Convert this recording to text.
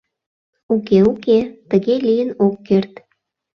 Уке, уке, тыге лийын ок керт!